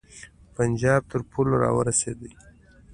پنجاب تر پولو را ورسېدی.